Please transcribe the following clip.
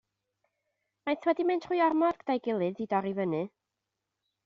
Maent wedi mynd trwy ormod gyda'i gilydd i dorri fyny.